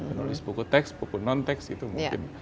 penulis buku teks buku non teks itu mungkin